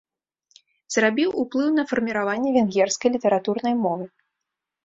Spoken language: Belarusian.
Зрабіў уплыў на фарміраванне венгерскай літаратурнай мовы.